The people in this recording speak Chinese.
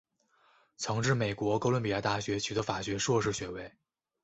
曾至美国哥伦比亚大学取得法学硕士学位。